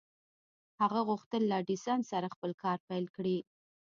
هغه غوښتل له ايډېسن سره خپل کار پيل کړي.